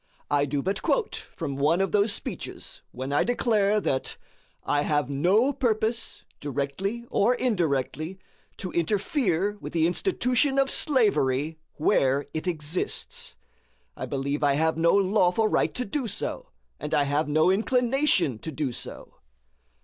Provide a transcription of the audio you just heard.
I do but quote from one of those speeches when I declare that "I have no purpose, directly or indirectly, to interfere with the institution of slavery in the States where it exists. I believe I have no lawful right to do so, and I have no inclination to do so."